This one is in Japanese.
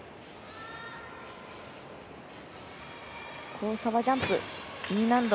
交差はジャンプ、Ｅ難度。